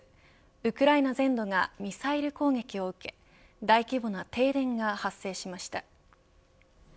ウクライナ全土がミサイル攻撃を受け大規模な停電が発生しました。